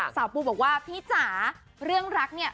ปูบอกว่าพี่จ๋าเรื่องรักเนี่ย